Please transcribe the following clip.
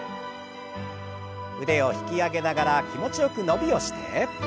腕を引き上げながら気持ちよく伸びをして。